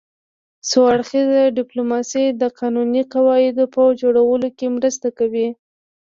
څو اړخیزه ډیپلوماسي د قانوني قواعدو په جوړولو کې مرسته کوي